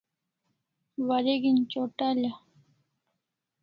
Wareg'in c'ota'la